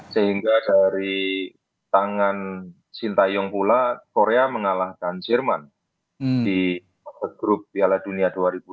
sehingga dari tangan sintayong pula korea mengalahkan jerman di grup piala dunia dua ribu dua puluh